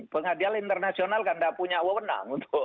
pengadilan internasional kan nggak punya wawonan